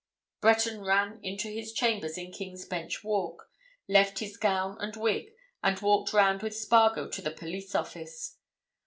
Breton ran into his chambers in King's Bench Walk, left his gown and wig, and walked round with Spargo to the police office.